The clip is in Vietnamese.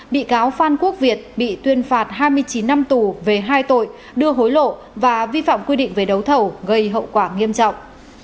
bị cáo phan quốc việt bị tuyên phạt hai mươi chín năm tù về hai tội đưa hối lộ và vi phạm quy định về đấu thầu gây hậu quả nghiêm trọng